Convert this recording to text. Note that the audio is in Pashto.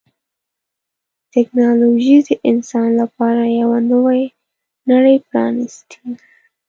ټکنالوجي د انسان لپاره یوه نوې نړۍ پرانستې ده.